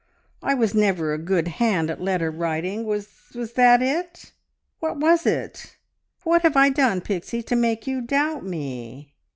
I was never a good hand at letter writing. Was that it? What was it? What have I done, Pixie, to make you doubt me?"